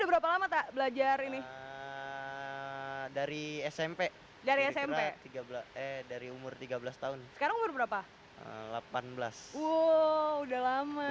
udah berapa lama tak belajar ini dari smp dari smp tiga belas eh dari umur tiga belas tahun sekarang baru berapa delapan belas wow udah lama